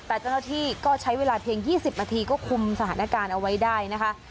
แต่เจ้าหน้าที่ก็ใช้เวลาเพียง๒๐นาทีก็คุมสถานการณ์เอาไว้ได้นะคะ